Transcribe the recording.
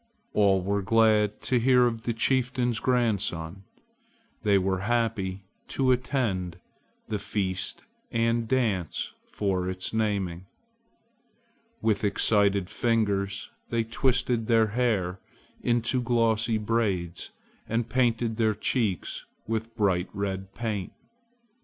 All were glad to hear of the chieftain's grandson. They were happy to attend the feast and dance for its naming. With excited fingers they twisted their hair into glossy braids and painted their cheeks with bright red paint.